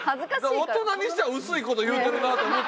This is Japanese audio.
大人にしては薄い事言うてるなと思った。